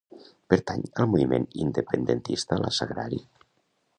Pertany al moviment independentista la Sagrari?